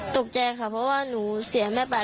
ตกใจค่ะเพราะว่าหนูเสียแม่ไป